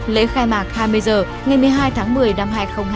lễ khai mạc hai mươi h ngày một mươi hai tháng một mươi năm hai nghìn hai mươi ba